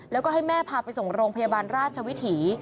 แล้วก็ให้แม่พาไปส่งโรงพยาบาลราชวิถี